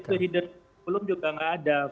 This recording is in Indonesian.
izin izin itu hidden kurikulum juga gak ada